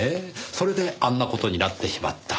それであんな事になってしまった。